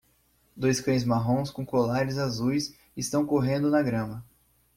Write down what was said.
Dois cães marrons com colares azuis estão correndo na grama